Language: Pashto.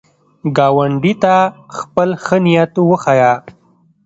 ګاونډي ته خپل ښه نیت وښیه